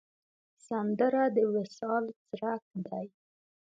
سندره د وصال څرک دی